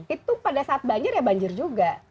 itu pada saat banjir ya banjir juga